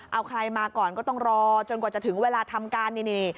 เอาใครมาก่อนก็ต้องรอจนกว่าจะถึงเวลาทำการนี่